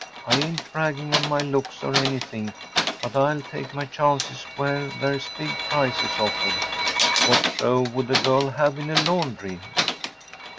I ain’t bragging on my looks or anything; but I’ll take my chances where there’s big prizes offered. What show would a girl have in a laundry?